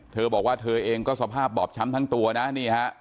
เธอบอกว่าเธอเองก็สภาพบอบช้ำทั้งตัวนะนี่ฮะ